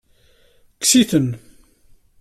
Kkset-ten.